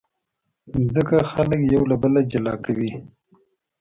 مځکه خلک یو له بله جلا کوي.